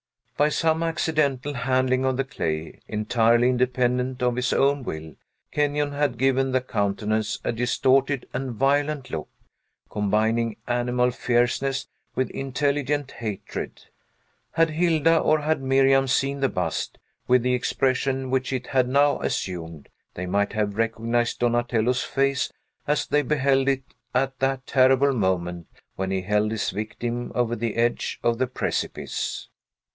By some accidental handling of the clay, entirely independent of his own will, Kenyon had given the countenance a distorted and violent look, combining animal fierceness with intelligent hatred. Had Hilda, or had Miriam, seen the bust, with the expression which it had now assumed, they might have recognized Donatello's face as they beheld it at that terrible moment when he held his victim over the edge of the precipice.